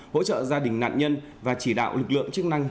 hỗ trợ gia đình nạn nhân và chỉ đạo lực lượng chức năng